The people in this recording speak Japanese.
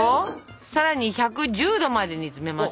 さらに１１０℃まで煮詰めます。